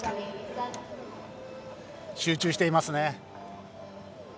集中していますね。